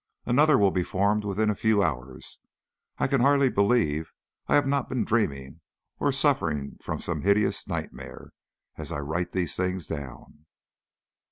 Another will be formed within a few hours. I can hardly believe I have not been dreaming, or suffering from some hideous nightmare, as I write these things down.